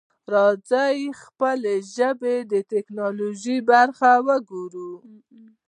راځه خپله ژبه د ټکنالوژۍ برخه کړو.